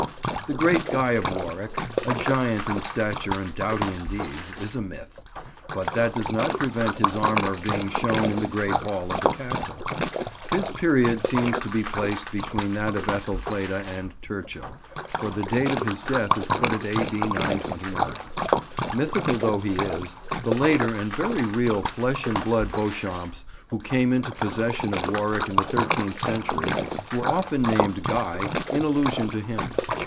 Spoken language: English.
The great Guy of Warwick, a giant in stature and doughty in deeds, is a myth, but that does not prevent his armour being shown in the Great Hall of the Castle. His period seems to be placed between that of Ethelfleda and Turchil, for the date of his death is put at A.D. 929. Mythical though he is, the later and very real flesh and blood Beauchamps, who came into possession of Warwick in the thirteenth century, were often named "Guy" in allusion to him.